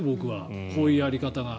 こういうやり方が。